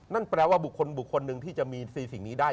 นั่นแปลว่าบุคคลนึงที่จะมีสี่สิ่งนี้ได้